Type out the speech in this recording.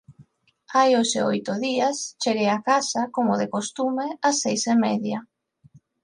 Hai hoxe oito días, cheguei á casa, como de costume, ás seis e media.